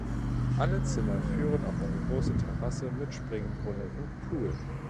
Alle Zimmer führen auf eine große Terrasse mit Springbrunnen und Pool.